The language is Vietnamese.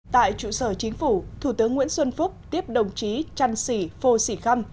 tại trụ sở chính phủ thủ tướng nguyễn xuân phúc tiếp đồng chí trăn sỉ phô sỉ khâm